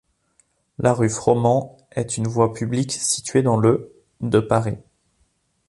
La rue Froment est une voie publique située dans le de Paris.